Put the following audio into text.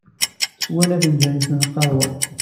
Swan afenǧal-nsen n lqahwa.